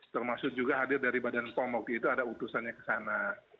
termasuk juga hadir dari badan pom waktu itu ada utusannya ke sana